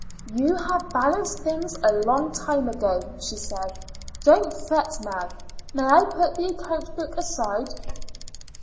"You have balanced things a long time ago," she said. "Don't fret now. May I put the account book aside?"